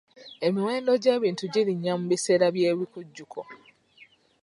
Emiwendo gy'ebintu girinnya mu biseera by'ebikujjuko.